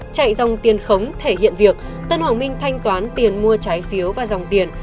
chạy dòng tiền khống thể hiện việc tân hoàng minh thanh toán tiền mua trái phiếu và dòng tiền